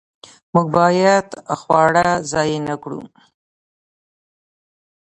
موږ باید خواړه ضایع نه کړو.